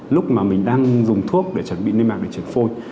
lúc mà mình đang dùng thuốc để chuẩn bị niêm mạng để chuyển phôi